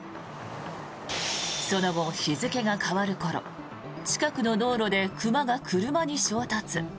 その後、日付が変わる頃近くの道路で熊が車に衝突。